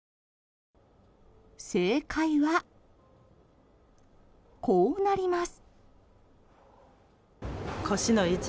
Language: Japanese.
正解は、こうなります。